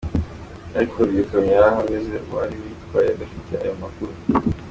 Ariko iyo kamyo yahanyuze uwari uyitwaye adafite ayo makuru.